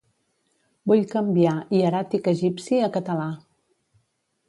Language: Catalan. Vull canviar hieràtic egipci a català.